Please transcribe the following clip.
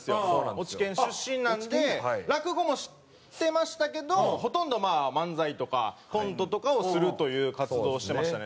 落研出身なんで落語もしてましたけどほとんどまあ漫才とかコントとかをするという活動をしてましたね。